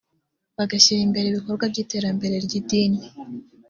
bagashyira imbere ibikorwa by’iterambere ry’idini